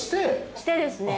してですね。